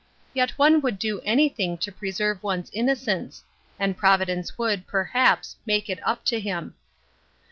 Yet one would do any thing to preserve one's innocence; and Providence would, perhaps, make it up to him!